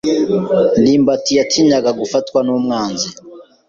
ndimbati yatinyaga gufatwa n'umwanzi.